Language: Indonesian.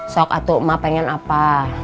sok atuk ma pengen apa